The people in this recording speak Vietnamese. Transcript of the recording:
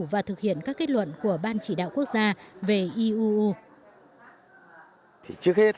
và thực hiện các kết luận của ban chỉ đạo quốc gia về iuu